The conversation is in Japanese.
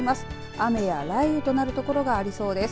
雨や雷雨となるところがありそうです。